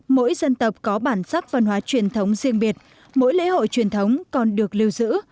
mỗi dân tộc có bản sắc văn hóa truyền thống riêng biệt mỗi lễ hội truyền thống còn được lưu giữ